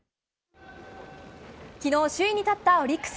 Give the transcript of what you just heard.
昨日、首位に立ったオリックス。